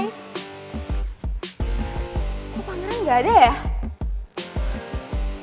kok pangeran gak ada ya